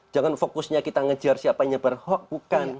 jangan fokusnya kita ngejar siapa yang berhoax